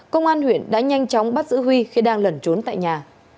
công an huyện đã nhanh chóng bắt giữ huy khi đang lẩn trốn tại nhà